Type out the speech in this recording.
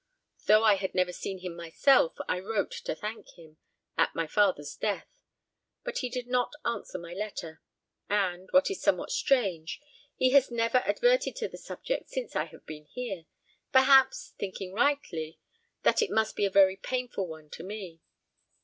Though I had never seen him myself, I wrote to thank him, at my father's death; but he did not answer my letter, and, what is somewhat strange, he has never adverted to the subject since I have been here, perhaps thinking rightly, that it must be a very painful one to me.